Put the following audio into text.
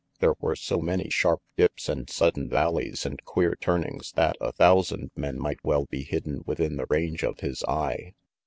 There were so many sharp dips and sudden valleys and queer turnings that a thou sand men might well be hidden within the range of his eye.